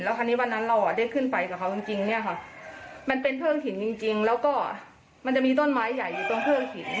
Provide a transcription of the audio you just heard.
คราวนี้วันนั้นเราได้ขึ้นไปกับเขาจริงเนี่ยค่ะมันเป็นเพลิงหินจริงแล้วก็มันจะมีต้นไม้ใหญ่อยู่ตรงเพลิงหิน